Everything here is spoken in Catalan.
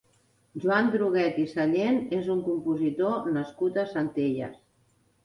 Joan Druguet i Sallent és un compositor nascut a Centelles.